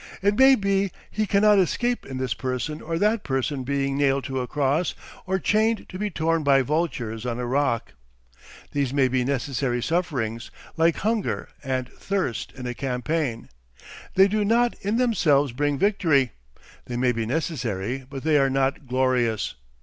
It may be he cannot escape in this person or that person being nailed to a cross or chained to be torn by vultures on a rock. These may be necessary sufferings, like hunger and thirst in a campaign; they do not in themselves bring victory. They may be necessary, but they are not glorious.